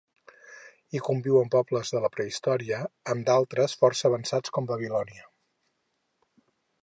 Hi conviuen pobles a la prehistòria amb d'altres força avançats, com Babilònia.